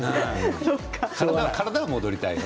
体は戻りたいと。